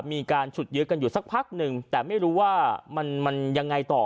มีการฉุดยื้อกันอยู่สักพักหนึ่งแต่ไม่รู้ว่ามันยังไงต่อ